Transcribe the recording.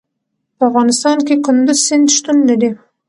په افغانستان کې کندز سیند شتون لري.